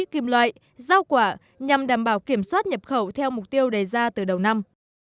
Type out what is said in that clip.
kiểm loại giao quả nhằm đảm bảo kiểm soát nhập khẩu theo mục tiêu đề ra từ đầu năm